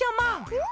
うん！